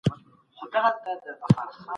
ګلانو ته اوبه ورکول ذهن ته سکون ورکوي.